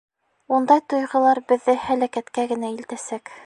Ундай тойғолар беҙҙе һәләкәткә генә илтәсәк.